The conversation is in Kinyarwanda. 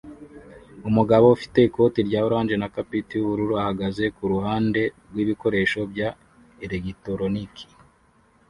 Umugabo ufite ikoti rya orange na capit yubururu ahagaze kuruhande rwibikoresho bya elegitoroniki